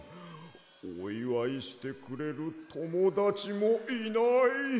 おいわいしてくれるともだちもいない。